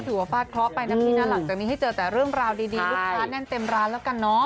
ถือว่าฟาดค้อกไปนับทีนั้นหลังจากนี้ให้เจอแต่เรื่องราวดีลูกค้าแน่นเต็มร้านแล้วกันเนอะ